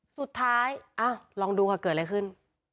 สุดท้ายอ้าวลองดูกับเกิดอะไรขึ้น